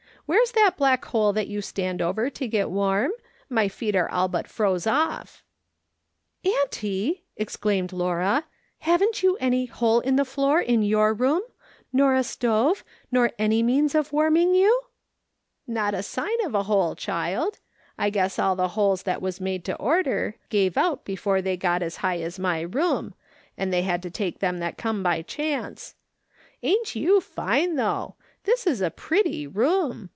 Where's that black hole that you stand over to get warm ? My feet are all but froze off." " Auntie," exclaimed Laura, " haven't you any ' hole in the floor' in your room, nor a stove, nor any means of warming you ?"" Not a sign of a hole, child. I guess all the holes that was made to order gave out before they got as high as my room, and they had to take them that come by chance. Ain't you fine, though ! This is a pretty room.